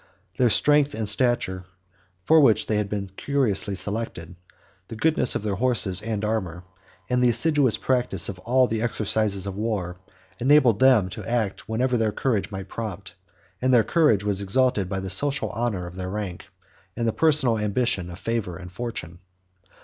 Their strength and stature, for which they had been curiously selected, the goodness of their horses and armor, and the assiduous practice of all the exercises of war, enabled them to act whatever their courage might prompt; and their courage was exalted by the social honor of their rank, and the personal ambition of favor and fortune.